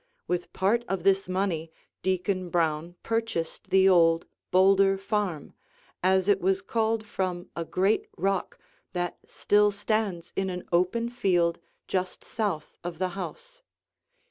With part of this money, Deacon Brown purchased the old "Boulder Farm," as it was called from a great rock that still stands in an open field just south of the house.